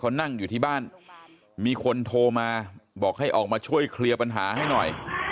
เขานั่งอยู่ที่บ้านมีคนโทรมาบอกให้ออกมาช่วยเคลียร์ปัญหาให้หน่อย